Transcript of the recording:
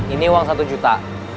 ini uang satu juta